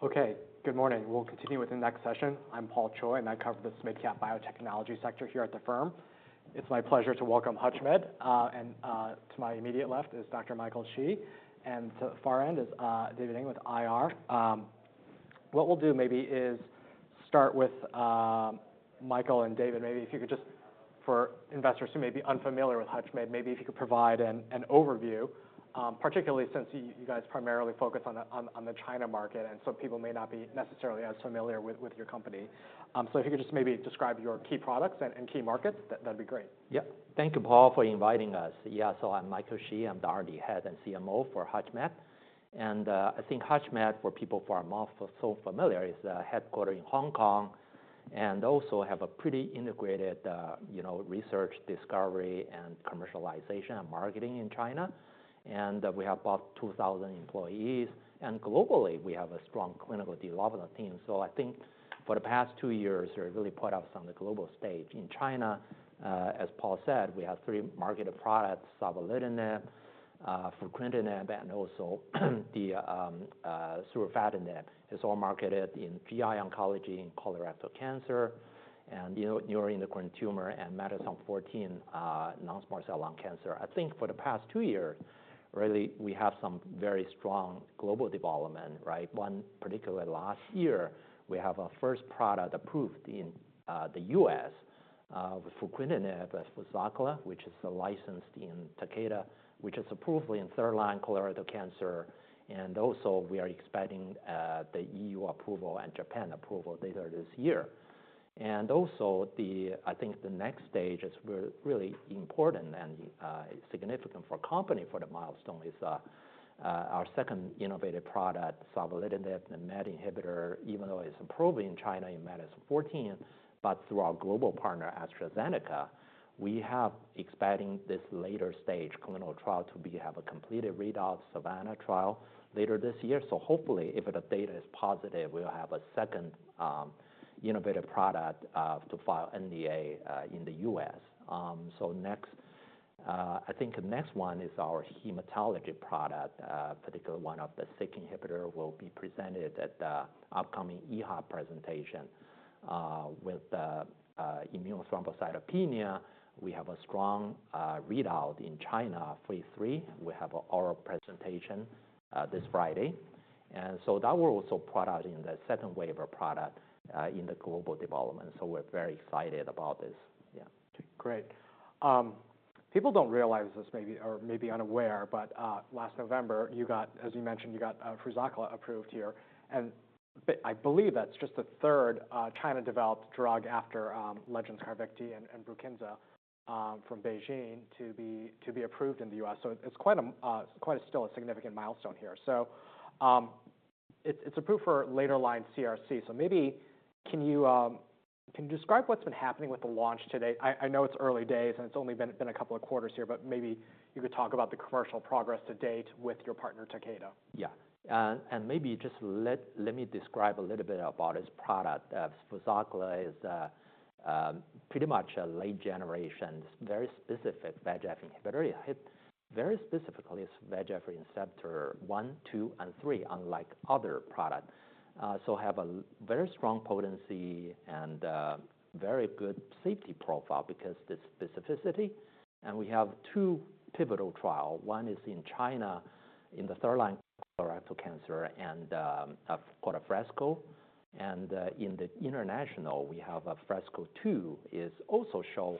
Okay, good morning. We'll continue with the next session. I'm Paul Choi, and I cover the SMID cap biotechnology sector here at the firm. It's my pleasure to welcome HUTCHMED, and to my immediate left is Dr. Michael Shi, and to the far end is David Ng with IR. What we'll do maybe is start with Michael and David. Maybe if you could just for investors who may be unfamiliar with HUTCHMED, provide an overview, particularly since you guys primarily focus on the China market, and so people may not be necessarily as familiar with your company. So if you could just maybe describe your key products and key markets, that'd be great. Yep. Thank you, Paul, for inviting us. Yeah, so I'm Michael Shi. I'm the R&D head and CMO for HUTCHMED. And I think HUTCHMED, for people who are not so familiar, is headquartered in Hong Kong and also have a pretty integrated, you know, research, discovery, and commercialization and marketing in China. And we have about 2,000 employees. And globally, we have a strong clinical developer team. So I think for the past two years, we're really put up on the global stage. In China, as Paul said, we have three marketed products: savolitinib, fruquintinib, and also the surufatinib. It's all marketed in GI oncology, in colorectal cancer, and neuroendocrine tumor, and MET exon 14, non-small cell lung cancer. I think for the past two years, really, we have some very strong global development, right? In particular, last year, we had a first product approved in the US with fruquintinib, Fruzaqla, which is licensed to Takeda, which is approved in third-line colorectal cancer. We are expecting the EU approval and Japan approval later this year. I think the next stage is really important and significant for the company. The milestone is our second innovative product, Savolitinib, the MET inhibitor, even though it is approved in China in MET exon 14, but through our global partner, AstraZeneca, we are expecting this later stage clinical trial to have a completed readout, the SAVANNAH trial, later this year. Hopefully, if the data is positive, we will have a second innovative product to file an NDA in the US. Next, I think the next one is our hematology product, particularly one of the SYK inhibitors will be presented at the upcoming EHA presentation with immune thrombocytopenia. We have a strong readout in China, phase three. We have our presentation this Friday. That will also put out in the second wave of product in the global development. We're very excited about this. Yeah. Great. People don't realize this maybe, or maybe unaware, but last November, you got, as you mentioned, Fruzaqla approved here. And I believe that's just the third China-developed drug after Legend's Carvykti and Brukinza from BeiGene to be approved in the US. So it's quite a significant milestone here. It's approved for later line CRC. So maybe can you describe what's been happening with the launch today? I know it's early days and it's only been a couple of quarters here, but maybe you could talk about the commercial progress to date with your partner, Takeda. Yeah. And maybe just let me describe a little bit about this product. Fruzaqla is pretty much a late generation, very specific VEGF inhibitor. It hits very specifically the VEGF receptor one, two, and three, unlike other products. So it has a very strong potency and very good safety profile because of the specificity. And we have two pivotal trials. One is in China in the third-line colorectal cancer and called FRESCO. And in the international, we have FRESCO-2, which is also shown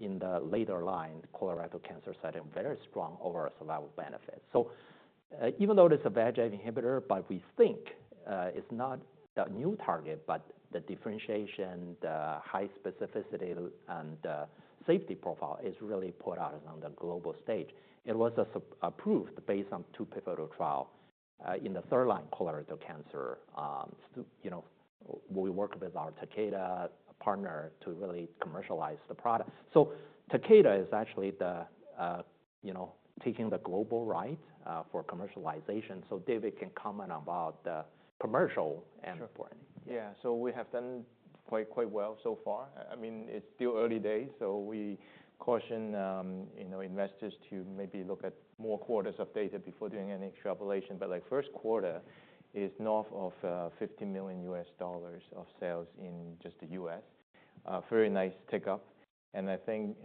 in the later-line colorectal cancer setting, very strong overall survival benefits. So even though it's a VEGF inhibitor, but we think it's not a new target, but the differentiation, the high specificity, and the safety profile really puts it out on the global stage. It was approved based on two pivotal trials in the third-line colorectal cancer, you know. We work with our Takeda partner to really commercialize the product. So Takeda is actually the, you know, taking the global rights for commercialization. So David can comment about the commercial and for sure. Yeah. So we have done quite, quite well so far. I mean, it's still early days. So we caution, you know, investors to maybe look at more quarters of data before doing any extrapolation. But like first quarter is north of $50 million of sales in just the US. Very nice uptake. And I think,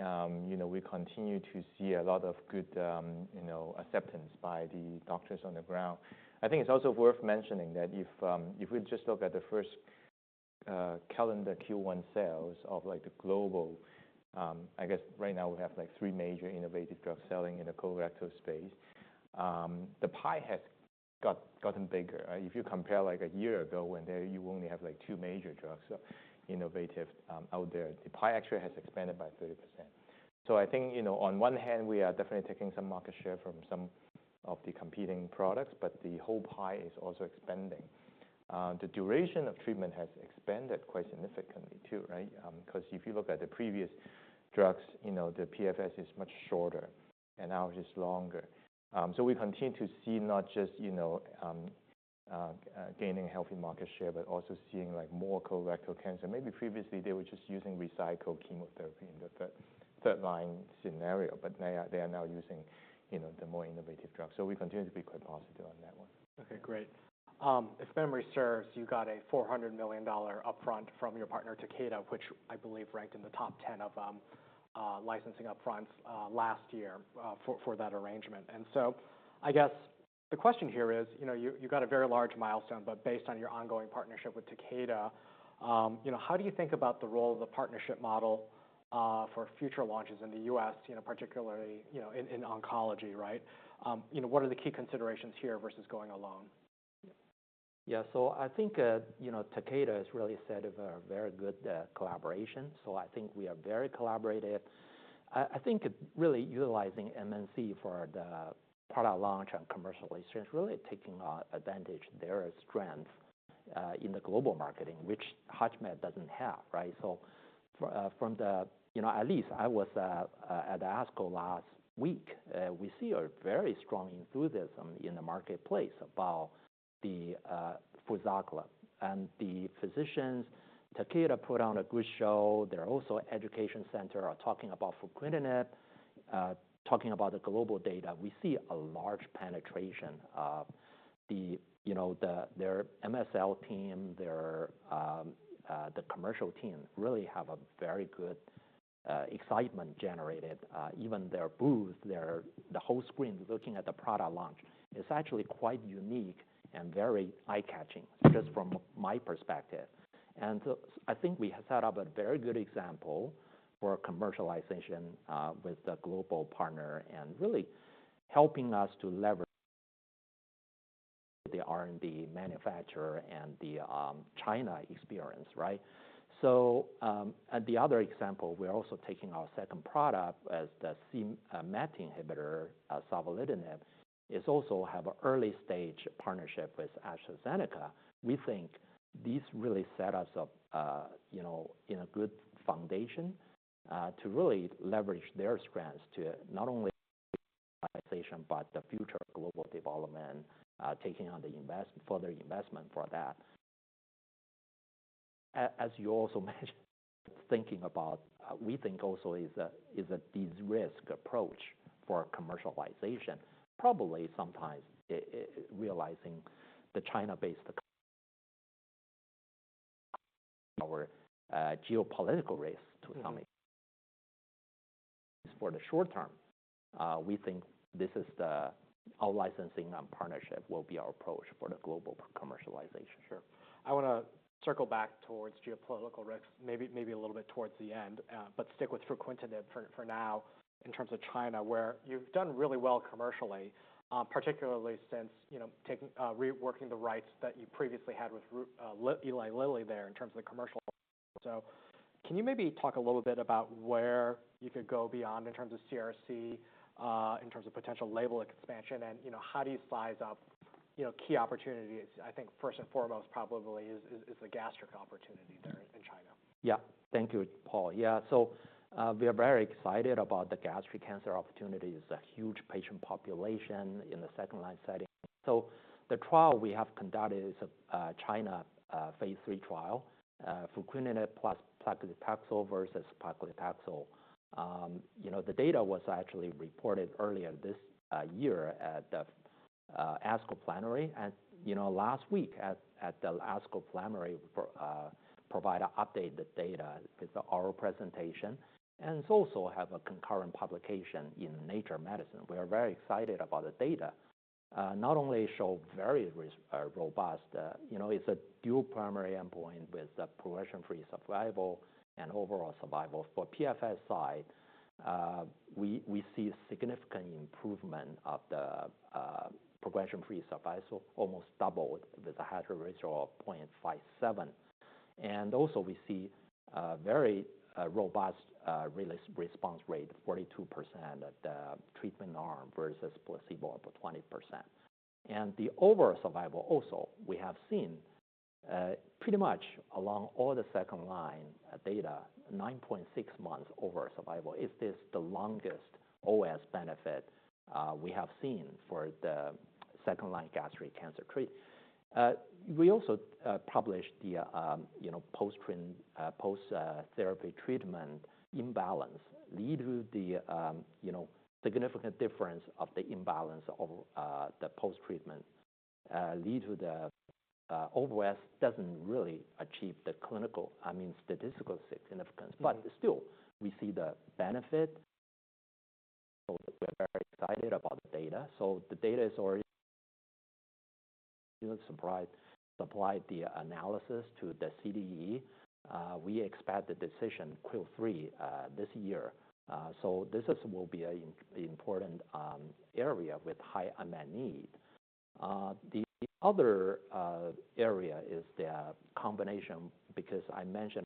you know, we continue to see a lot of good, you know, acceptance by the doctors on the ground. I think it's also worth mentioning that if, if we just look at the first, calendar Q1 sales of like the global, I guess right now we have like three major innovative drugs selling in the colorectal space. The pie has got, gotten bigger. If you compare like a year ago when there you only have like two major drugs innovative, out there, the pie actually has expanded by 30%. So I think, you know, on one hand, we are definitely taking some market share from some of the competing products, but the whole pie is also expanding. The duration of treatment has expanded quite significantly too, right? Because if you look at the previous drugs, you know, the PFS is much shorter and now it is longer. So we continue to see not just, you know, gaining healthy market share, but also seeing like more colorectal cancer. Maybe previously they were just using regorafenib chemotherapy in the third-line scenario, but they are now using, you know, the more innovative drugs. So we continue to be quite positive on that one. Okay, great. If memory serves, you got a $400 million upfront from your partner, Takeda, which I believe ranked in the top 10 of licensing upfronts last year for that arrangement. So I guess the question here is, you know, you got a very large milestone, but based on your ongoing partnership with Takeda, you know, how do you think about the role of the partnership model for future launches in the U.S., you know, particularly, you know, in oncology, right? You know, what are the key considerations here versus going alone? Yeah. So I think, you know, Takeda has really set up a very good collaboration. So I think we are very collaborative. I think really utilizing MNC for the product launch and commercialization is really taking advantage of their strength in the global marketing, which HUTCHMED doesn't have, right? So from the, you know, at least I was at the ASCO last week, we see a very strong enthusiasm in the marketplace about the Fruzaqla and the physicians. Takeda put on a good show. Their education centers are talking about fruquintinib, talking about the global data. We see a large penetration of the, you know, their MSL team, their commercial team really have a very good excitement generated, even their booth, the whole screen looking at the product launch. It's actually quite unique and very eye-catching just from my perspective. I think we have set up a very good example for commercialization, with the global partner and really helping us to leverage the R&D manufacturer and the China experience, right? The other example, we're also taking our second product as the MET inhibitor, savolitinib. It's also have an early stage partnership with AstraZeneca. We think these really set us up, you know, in a good foundation, to really leverage their strengths to not only commercialization, but the future global development, taking on the invest further investment for that. As you also mentioned, thinking about, we think also is a de-risk approach for commercialization. Probably sometimes realizing the China-based our geopolitical risk to some extent. For the short term, we think this is the our licensing and partnership will be our approach for the global commercialization. Sure. I wanna circle back towards geopolitical risks, maybe a little bit towards the end, but stick with fruquintinib for now in terms of China where you've done really well commercially, particularly since, you know, taking, reworking the rights that you previously had with Eli Lilly there in terms of the commercial. So can you maybe talk a little bit about where you could go beyond in terms of CRC, in terms of potential label expansion and, you know, how do you size up, you know, key opportunities? I think first and foremost probably is the gastric opportunity there in China. Yeah. Thank you, Paul. Yeah. So, we are very excited about the gastric cancer opportunity. It's a huge patient population in the second line setting. So the trial we have conducted is a China phase three trial, fruquintinib plus paclitaxel versus paclitaxel. You know, the data was actually reported earlier this year at the ASCO plenary, and you know, last week at the ASCO plenary we provided an update on the data with our presentation. And it also has a concurrent publication in Nature Medicine. We are very excited about the data, not only shows very robust, you know, it's a dual primary endpoint with a progression-free survival and overall survival. For PFS side, we see significant improvement of the progression-free survival, almost doubled with an HR of 0.57. We also see very robust overall response rate, 42% in the treatment arm versus placebo up to 20%. The overall survival also we have seen pretty much along all the second line data, 9.6 months overall survival. It's the longest OS benefit we have seen for the second line gastric cancer treatment. We also published the you know post-therapy treatment imbalance lead to the you know significant difference of the imbalance of the post-treatment lead to the OS doesn't really achieve the clinical I mean statistical significance. Still we see the benefit. We're very excited about the data. The data is already you know supplied the analysis to the CDE. We expect the decision Q3 this year. This will be an important area with high unmet need. The other area is the combination because I mentioned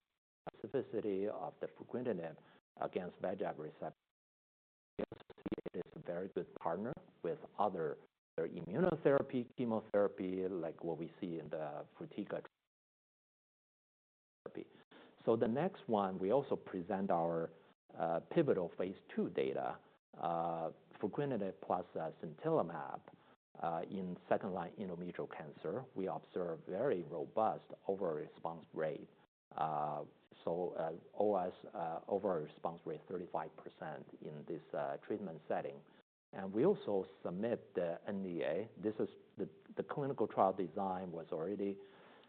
specificity of the fruquintinib against VEGF receptor. It's a very good partner with other immunotherapy, chemotherapy like what we see in the Fruzaqla therapy. The next one we also present our pivotal phase two data, fruquintinib plus sintilimab, in second-line endometrial cancer. We observed very robust overall response rate. So, OS, overall response rate 35% in this treatment setting. We also submitted the NDA. This is the clinical trial design was already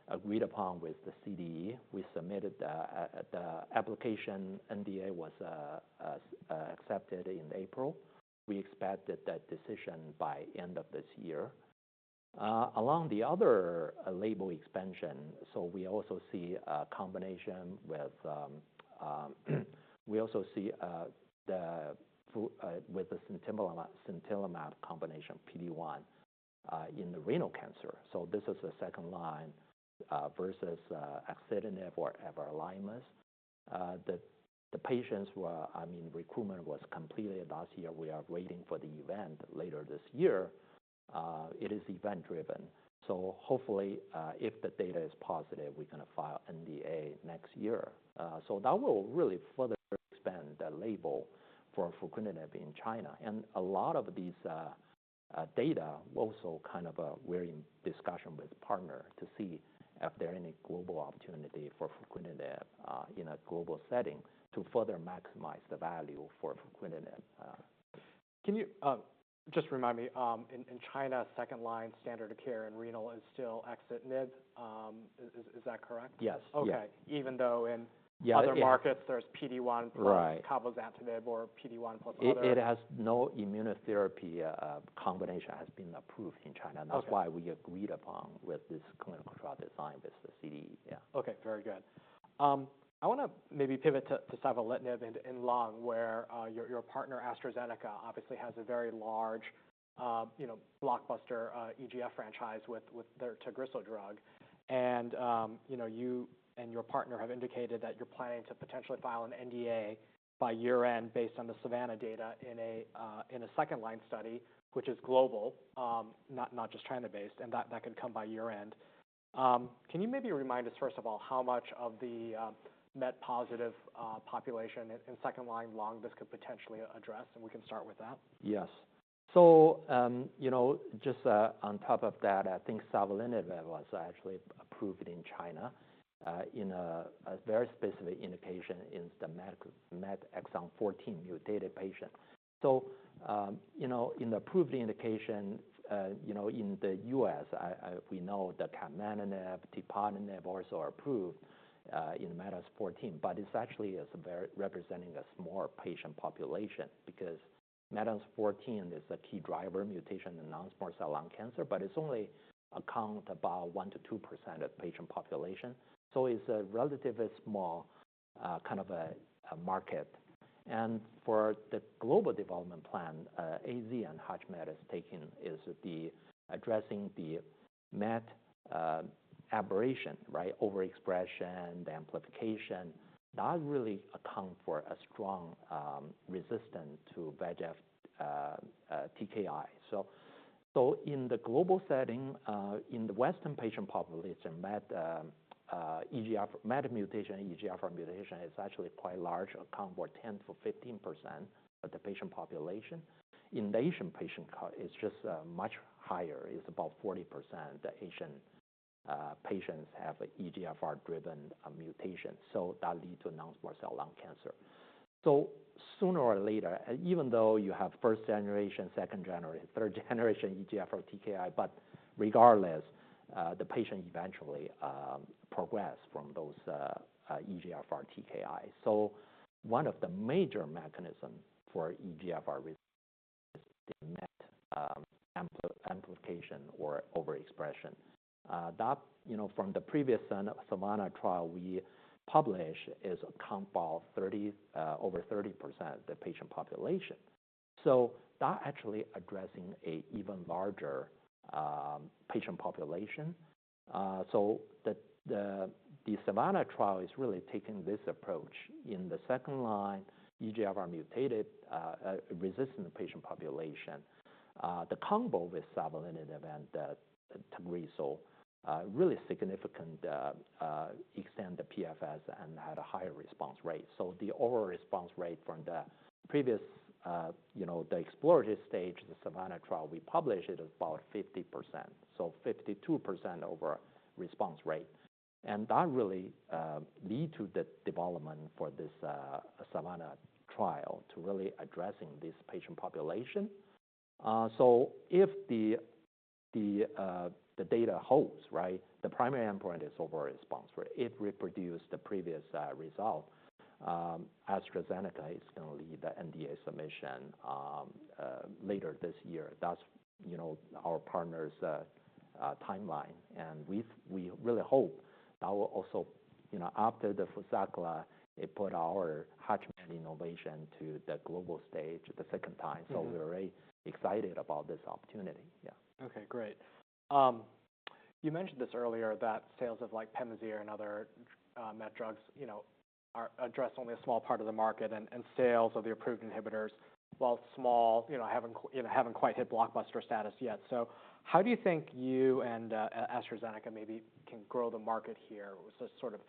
agreed upon with the CDE. We submitted the application. NDA was accepted in April. We expect that decision by end of this year. Along with the other label expansion, we also see a combination with the FU with the sintilimab combination PD-1 in the renal cancer. This is the second-line versus axitinib or everolimus. The patients were, I mean, recruitment was completed last year. We are waiting for the event later this year. It is event-driven. So hopefully, if the data is positive, we're gonna file NDA next year so that will really further expand the label for fruquintinib in China. And a lot of these data also kind of, we're in discussion with partner to see if there are any global opportunity for fruquintinib in a global setting to further maximize the value for fruquintinib. Can you just remind me, in China, second line standard of care in renal is still Axitinib. Is that correct? Yes. Okay. Even though in other markets there's PD-1 plus Cabozantinib or PD-1 plus other? It has no immunotherapy, combination has been approved in China. That's why we agreed upon with this clinical trial design with the CDE. Yeah. Okay. Very good. I wanna maybe pivot to Savolitinib and lung, where your partner AstraZeneca obviously has a very large, you know, blockbuster EGFR franchise with their Tagrisso drug. And, you know, you and your partner have indicated that you're planning to potentially file an NDA by year-end based on the SAVANNAH data in a second-line study, which is global, not just China-based. And that could come by year-end. Can you maybe remind us first of all how much of the MET-positive population in second-line lung this could potentially address? And we can start with that. Yes. So, you know, just on top of that, I think savolitinib was actually approved in China, in a very specific indication in the MET exon 14 mutated patient. So, you know, in the approved indication, you know, in the US, we know the capmatinib, tepotinib also approved, in MET exon 14, but it's actually very representative of a small patient population because MET exon 14 is a key driver mutation in non-small cell lung cancer, but it's only accounts for about 1%-2% of patient population. So it's a relatively small, kind of a market. And for the global development plan, AZ and HUTCHMED is taking is addressing the MET aberration, right? Overexpression, the amplification, that really accounts for a strong resistance to VEGF TKI. So in the global setting, in the Western patient population, MET, EGFR, MET mutation, EGFR mutation is actually quite large, account for 10%-15% of the patient population. In the Asian patient cohort, it's just much higher. It's about 40% the Asian patients have EGFR driven mutation. So that lead to non-small cell lung cancer. So sooner or later, even though you have first generation, second generation, third generation EGFR TKI, but regardless, the patient eventually progress from those EGFR TKI. So one of the major mechanism for EGFR is the MET amplification or overexpression. That you know from the previous SAVANNAH trial we published is account about 30, over 30% of the patient population. So that actually addressing a even larger patient population. So the SAVANNAH trial is really taking this approach in the second-line EGFR-mutated resistant patient population. The combo with savolitinib and the Tagrisso, really significant, extend the PFS and had a higher response rate. So the overall response rate from the previous, you know, the exploratory stage, the SAVANNAH trial we published, it is about 50%. So 52% overall response rate. And that really lead to the development for this SAVANNAH trial to really addressing this patient population. So if the data holds, right, the primary endpoint is overall response rate. It reproduced the previous result. AstraZeneca is gonna lead the NDA submission later this year. That's, you know, our partner's timeline. And we really hope that will also, you know, after the Fruzaqla, it put our HUTCHMED innovation to the global stage the second time. So we're really excited about this opportunity. Yeah. Okay. Great. You mentioned this earlier that sales of like Pemazyre and other MET drugs, you know, are addressing only a small part of the market and sales of the approved inhibitors while small, you know, haven't quite hit blockbuster status yet. So how do you think you and AstraZeneca maybe can grow the market here? Is this sort of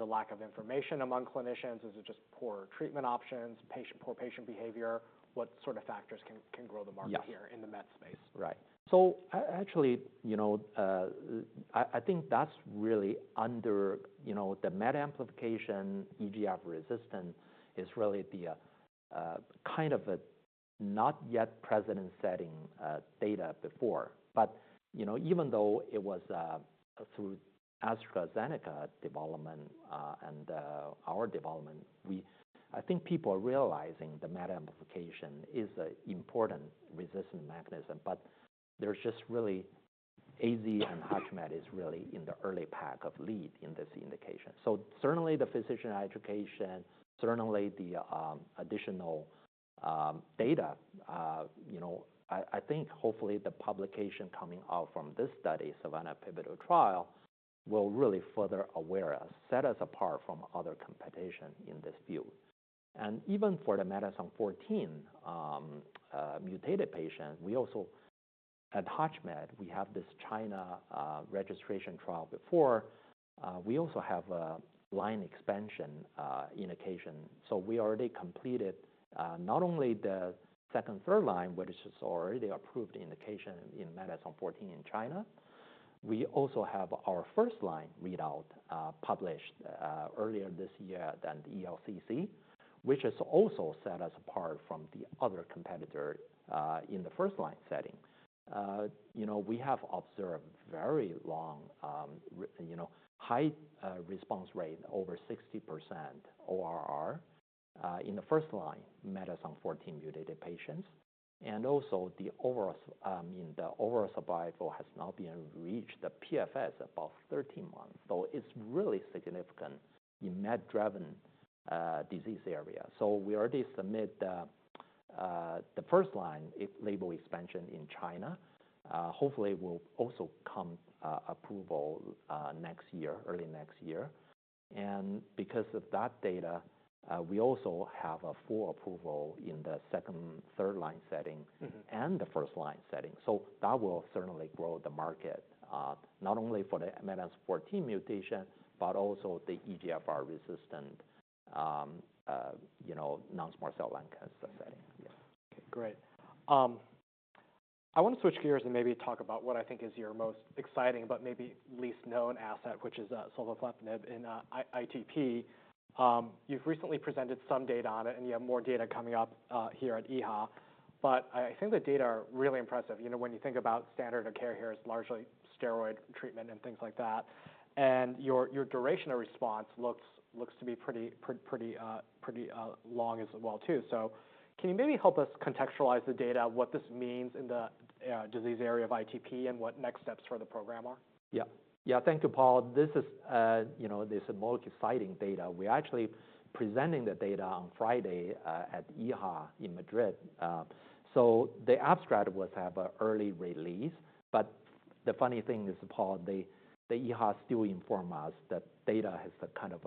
a lack of information among clinicians? Is it just poor treatment options, poor patient behavior? What sort of factors can grow the market here in the MET space? Yes. Right. So actually, you know, I think that's really under, you know, the MET amplification EGFR resistance is really the kind of a not yet present in setting, data before. But you know, even though it was through AstraZeneca development and our development, we I think people are realizing the MET amplification is an important resistance mechanism, but there's just really AZ and HUTCHMED is really in the early pack of lead in this indication. So certainly the physician education, certainly the additional data, you know, I think hopefully the publication coming out from this study, SAVANNAH pivotal trial, will really further awareness, set us apart from other competition in this field. And even for the MET exon 14 mutated patient, we also at HUTCHMED we have this China registration trial before. We also have a line expansion indication. So we already completed not only the second, third line, which is already approved indication in MET exon 14 in China. We also have our first line readout published earlier this year at the ELCC, which has also set us apart from the other competitor in the first line setting. You know, we have observed very long, you know, high response rate, over 60% ORR, in the first line MET exon 14 mutated patients. And also the overall, I mean, the overall survival has now been reached the PFS above 13 months. So it is really significant in MET driven disease area. So we already submitted the first line label expansion in China. Hopefully we will also get approval next year, early next year. And because of that data, we also have a full approval in the second, third line setting. Mm-hmm. And the first line setting. That will certainly grow the market, not only for the MET exon 14 mutation, but also the EGFR resistant, you know, non-small cell lung cancer setting. Yeah. Okay. Great. I wanna switch gears and maybe talk about what I think is your most exciting but maybe least known asset, which is sovleplenib in ITP. You've recently presented some data on it and you have more data coming up here at EHA. But I think the data are really impressive. You know, when you think about standard of care here is largely steroid treatment and things like that. And your duration of response looks to be pretty long as well too. So can you maybe help us contextualize the data, what this means in the disease area of ITP and what next steps for the program are? Yep. Yeah. Thank you, Paul. This is, you know, this is more exciting data. We're actually presenting the data on Friday, at EHA in Madrid. So the abstract has had an early release. But the funny thing is, Paul, the EHA still informs us that the data is kind of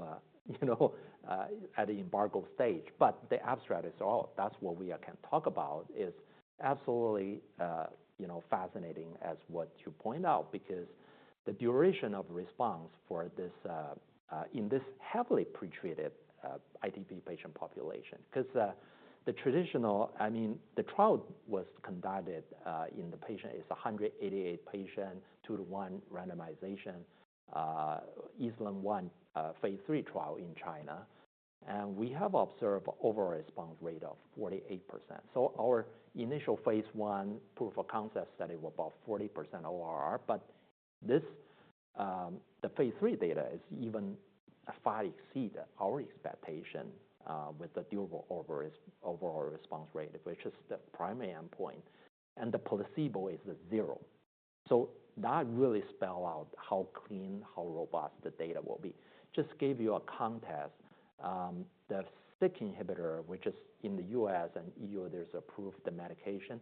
at the embargo stage. But the abstract is all that we can talk about is absolutely, you know, fascinating as what you point out because the duration of response for this, in this heavily pretreated ITP patient population. 'Cause the traditional, I mean, the trial was conducted in the patients, 188 patients, two to one randomization, ESLIM-01 phase 3 trial in China. And we have observed overall response rate of 48%. So our initial phase 1 proof of concept study was about 40% ORR. But this, the phase three data is even far exceed our expectation, with the durable overall response rate, which is the primary endpoint. And the placebo is zero. So that really spell out how clean, how robust the data will be. Just gave you a context, the SYK inhibitor, which is in the US and EU, there's approved the medication,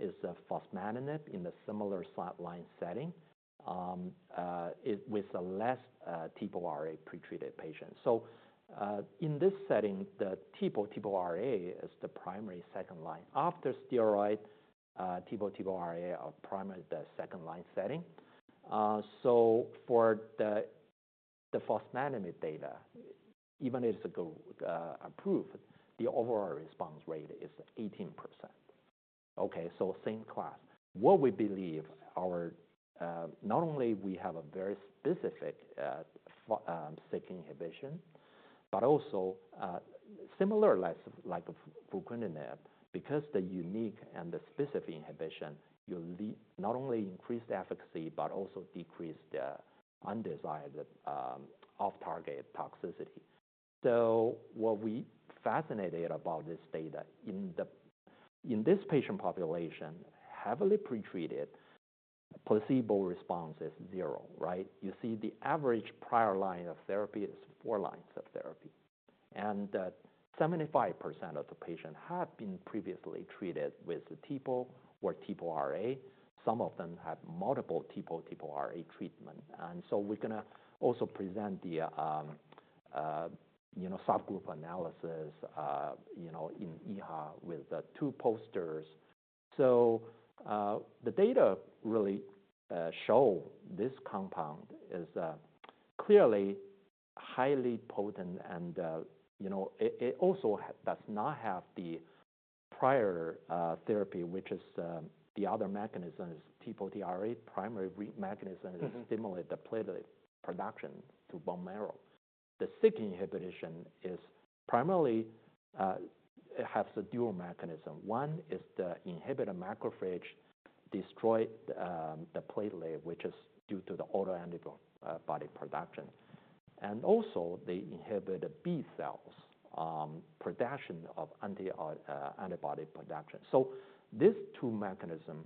is a Fostamatinib in the similar line setting, with a less, TPO-RA pretreated patient. So, in this setting, the TPO, TPO-RA is the primary second line. After steroid, TPO, TPO-RA are primary the second line setting. So for the Fostamatinib data, even it's a good, approved, the overall response rate is 18%. Okay. So same class. What we believe, not only we have a very specific SYK inhibition, but also, similarly less like fruquintinib, because the unique and the specific inhibition leads not only to increase the efficacy, but also decrease the undesired off-target toxicity. What fascinates us about this data in this patient population, heavily pretreated, placebo response is zero, right? You see the average prior line of therapy is four lines of therapy. And 75% of the patients have been previously treated with TPO or TPO-RA. Some of them have multiple TPO-RA treatments. We're gonna also present the subgroup analysis, you know, in EHA with the two posters. The data really show this compound is clearly highly potent and, you know, it also does not have the prior therapy, which is the other mechanism, TPO-RA. Primary mechanism is stimulate the platelet production to bone marrow. The SYK inhibition is primarily. It has a dual mechanism. One is the inhibitor macrophage destroy the platelet, which is due to the autoantibody production. And also they inhibit the B cells production of autoantibody production. So these two mechanism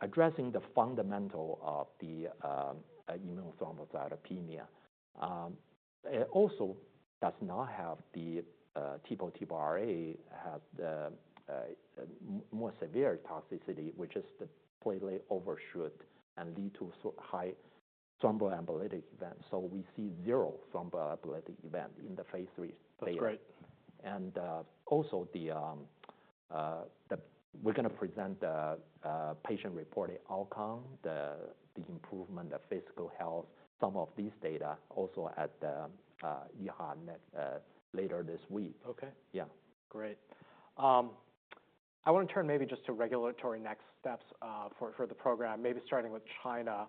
addressing the fundamental of the immune thrombocytopenia. It also does not have the TPO-RA has the more severe toxicity, which is the platelet overshoot and lead to high thromboembolic event. So we see zero thromboembolic event in the phase 3 trial. That's great. Also, we're gonna present the patient-reported outcome, the improvement of physical health. Some of these data also at the EHA NET later this week. Okay. Yeah. Great. I wanna turn maybe just to regulatory next steps, for the program, maybe starting with China,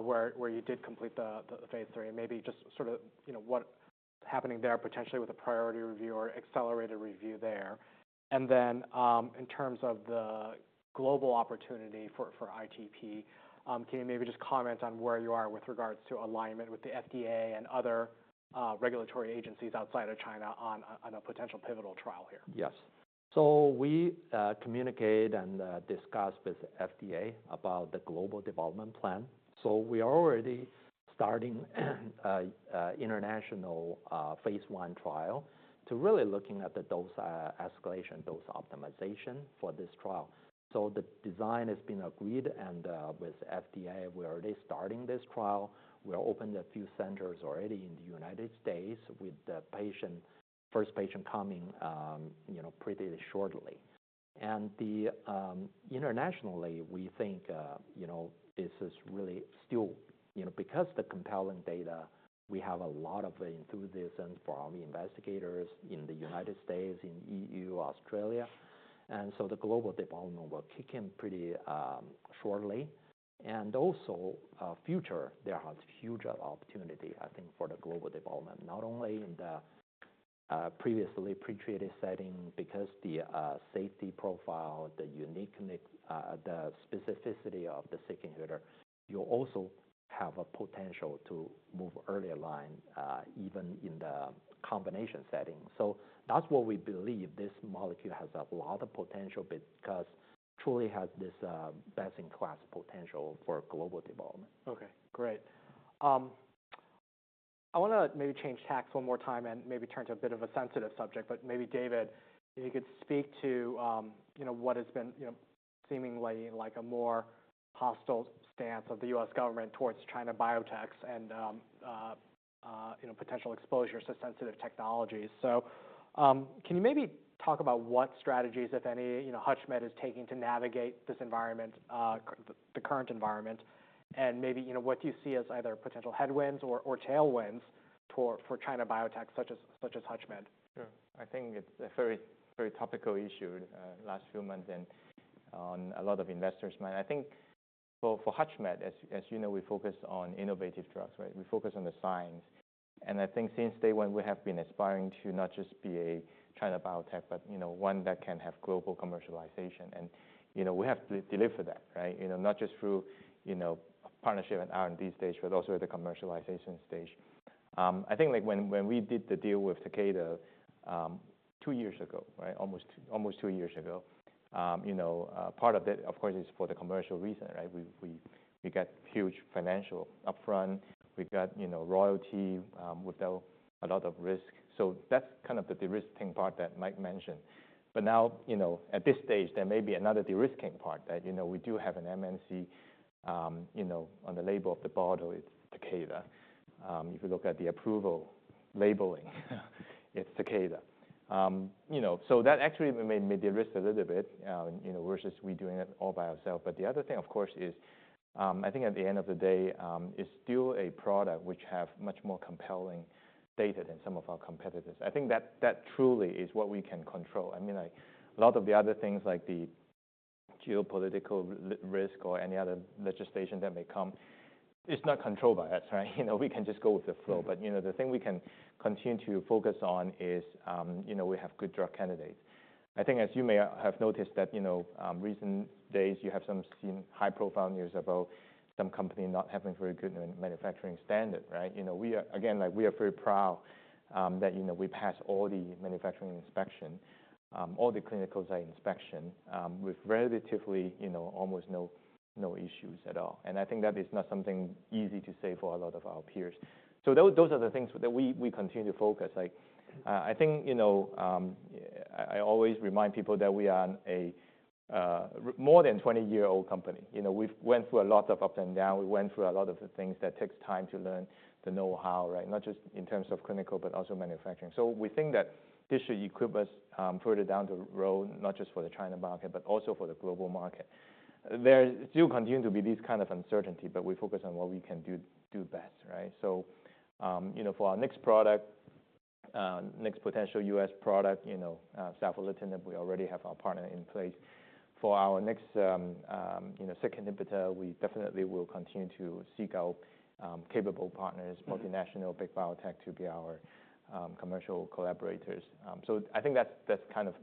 where you did complete the phase three, and maybe just sort of, you know, what's happening there potentially with a priority review or accelerated review there. And then, in terms of the global opportunity for ITP, can you maybe just comment on where you are with regards to alignment with the FDA and other regulatory agencies outside of China on a potential pivotal trial here? Yes. So we communicate and discuss with the FDA about the global development plan. So we are already starting international phase one trial to really looking at the dose escalation, dose optimization for this trial. So the design has been agreed and with FDA. We're already starting this trial. We're opened a few centers already in the United States with the first patient coming, you know, pretty shortly. And internationally, we think, you know, this is really still, you know, because the compelling data, we have a lot of enthusiasm for our investigators in the United States, in EU, Australia. And so the global development will kick in pretty shortly. And also, future there has huge opportunity, I think, for the global development, not only in the previously pretreated setting because the safety profile, the uniqueness, the specificity of the SYK inhibitor. You also have a potential to move early line, even in the combination setting. So that's what we believe this molecule has a lot of potential because truly has this best-in-class potential for global development. Okay. Great. I wanna maybe change tacks one more time and maybe turn to a bit of a sensitive subject, but maybe David, if you could speak to, you know, what has been, you know, seemingly like a more hostile stance of the U.S. government towards China biotechs and, you know, potential exposure to sensitive technologies. So, can you maybe talk about what strategies, if any, you know, HUTCHMED is taking to navigate this environment, the current environment, and maybe, you know, what do you see as either potential headwinds or, or tailwinds for, for China biotechs such as, such as HUTCHMED? Sure. I think it's a very, very topical issue, last few months and on a lot of investors' mind. I think for HUTCHMED, as you know, we focus on innovative drugs, right? We focus on the science. And I think since day one, we have been aspiring to not just be a China biotech, but, you know, one that can have global commercialization. And, you know, we have delivered that, right? You know, not just through, you know, partnership and R&D stage, but also at the commercialization stage. I think like when we did the deal with Takeda, two years ago, right? Almost two years ago, you know, part of that, of course, is for the commercial reason, right? We got huge financial upfront. We got, you know, royalty, with a lot of risk. So that's kind of the de-risking part that Mike mentioned. But now, you know, at this stage, there may be another de-risking part that, you know, we do have an MNC, you know, on the label of the bottle, it's Takeda. If you look at the approval labeling, it's Takeda. You know, so that actually may de-risk a little bit, you know, versus we doing it all by ourselves. But the other thing, of course, is, I think at the end of the day, it's still a product which has much more compelling data than some of our competitors. I think that truly is what we can control. I mean, like a lot of the other things like the geopolitical risk or any other legislation that may come, it's not controlled by us, right? You know, we can just go with the flow. But, you know, the thing we can continue to focus on is, you know, we have good drug candidates. I think as you may have noticed that, you know, recent days you have some seen high profile news about some company not having very good manufacturing standard, right? You know, we are, again, like we are very proud, that, you know, we pass all the manufacturing inspection, all the clinical site inspection, with relatively, you know, almost no, no issues at all. And I think that is not something easy to say for a lot of our peers. So those, those are the things that we, we continue to focus. Like, I think, you know, I, I always remind people that we are a, more than 20-year-old company. You know, we've went through a lot of ups and down. We went through a lot of the things that takes time to learn the know-how, right? Not just in terms of clinical, but also manufacturing. So we think that this should equip us, further down the road, not just for the China market, but also for the global market. There still continue to be these kind of uncertainty, but we focus on what we can do, do best, right? So, you know, for our next product, next potential US product, you know, savolitinib, we already have our partner in place. For our next, you know, SYK inhibitor, we definitely will continue to seek out, capable partners, multinational, big biotech to be our, commercial collaborators. So I think that's, that's kind of,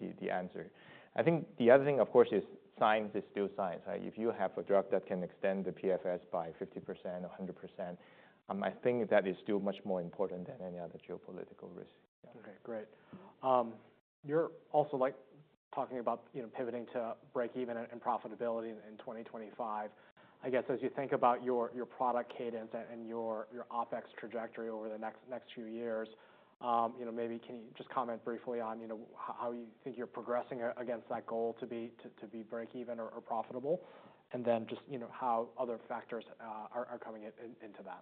the, the answer. I think the other thing, of course, is science is still science, right? If you have a drug that can extend the PFS by 50% or 100%, I think that is still much more important than any other geopolitical risk. Okay. Great. You're also like talking about, you know, pivoting to break even and profitability in 2025. I guess as you think about your product cadence and your OpEx trajectory over the next few years, you know, maybe can you just comment briefly on, you know, how you think you're progressing against that goal to be break even or profitable? And then just, you know, how other factors are coming into that.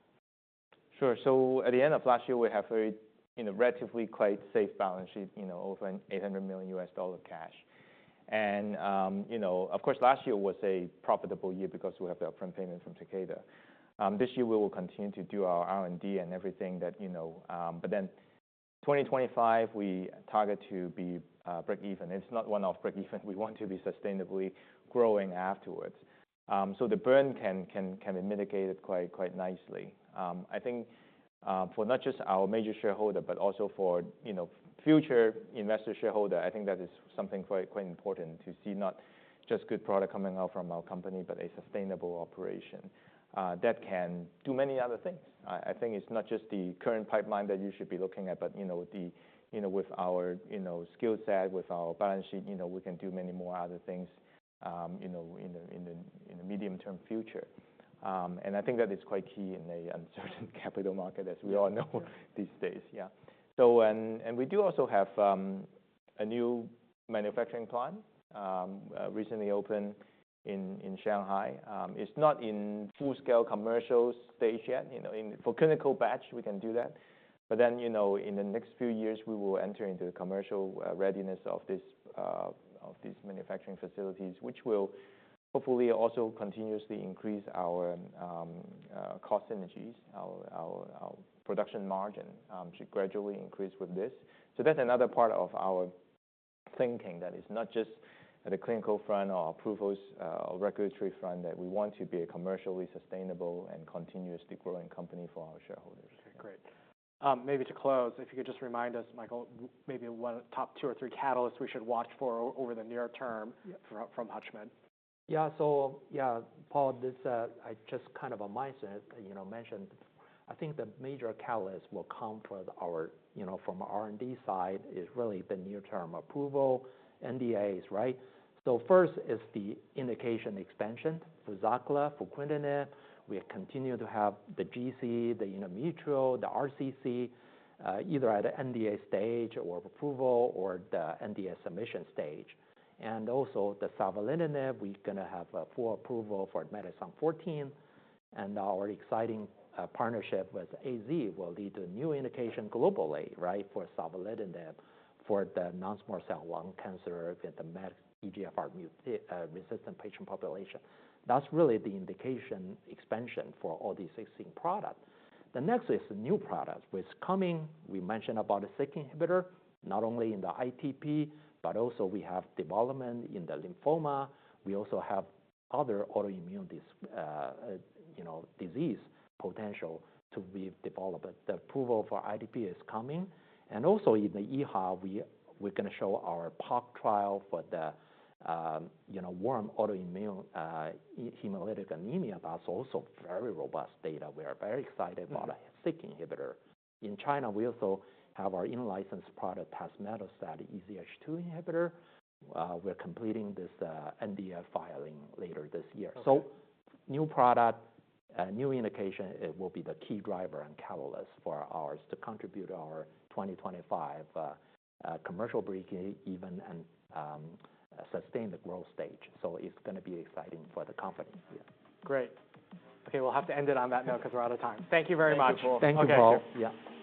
Sure. So at the end of last year, we have very, you know, relatively quite safe balance sheet, you know, over $800 million US cash. And, you know, of course, last year was a profitable year because we have the upfront payment from Takeda. This year we will continue to do our R&D and everything that, you know, but then 2025, we target to break even. It's not one-off break even. We want to be sustainably growing afterwards. The burn can be mitigated quite nicely. I think, for not just our major shareholder, but also for, you know, future investor shareholder, I think that is something quite important to see not just good product coming out from our company, but a sustainable operation, that can do many other things. I think it's not just the current pipeline that you should be looking at, but, you know, the, you know, with our, you know, skill set, with our balance sheet, you know, we can do many more other things, you know, in the medium-term future. And I think that is quite key in an uncertain capital market, as we all know these days. Yeah. So, and we do also have a new manufacturing plant, recently opened in Shanghai. It's not in full-scale commercial stage yet, you know, in for clinical batch, we can do that. But then, you know, in the next few years, we will enter into the commercial readiness of this, of these manufacturing facilities, which will hopefully also continuously increase our cost synergies, our production margin, should gradually increase with this. So that's another part of our thinking that is not just at the clinical front or approvals, or regulatory front that we want to be a commercially sustainable and continuously growing company for our shareholders. Okay. Great. Maybe to close, if you could just remind us, Michael, maybe one top two or three catalysts we should watch for over the near term from HUTCHMED. Yeah. So, yeah, Paul, this is just kind of a mindset, you know. As mentioned, I think the major catalyst will come from our, you know, R&D side is really the near-term approval, NDAs, right? So first is the indication extension for Fruzaqla, for fruquintinib. We continue to have the GC, the endometrial, the RCC, either at the NDA stage or approval or the NDA submission stage. And also the savolitinib, we're gonna have a full approval for MET exon 14. And our exciting partnership with AZ will lead to new indication globally, right, for savolitinib for the non-small cell lung cancer with the MET EGFR mutant resistant patient population. That's really the indication expansion for all these existing products. The next is new products coming. We mentioned about a SYK inhibitor, not only in the ITP, but also we have development in the lymphoma. We also have other autoimmune, you know, disease potential to be developed. The approval for ITP is coming, and also in the EHA, we're gonna show our POC trial for the, you know, warm autoimmune hemolytic anemia. That's also very robust data. We are very excited about a SYK inhibitor. In China, we also have our in-licensed product, Tazemetostat, EZH2 inhibitor. We're completing this NDA filing later this year. So new product, new indication, it will be the key driver and catalyst for ours to contribute our 2025 commercial breakeven and sustain the growth stage, so it's gonna be exciting for the company. Great. Okay. We'll have to end it on that note 'cause we're out of time. Thank you very much. Thank you. Thank you, Paul. Okay. Yeah.